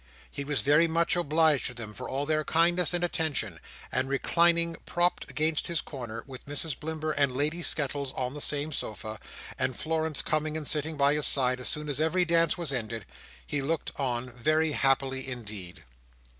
He was very much obliged to them for all their kindness and attention, and reclining propped up in his corner, with Mrs Blimber and Lady Skettles on the same sofa, and Florence coming and sitting by his side as soon as every dance was ended, he looked on very happily indeed.